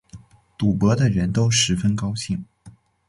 赌博的人都十分高兴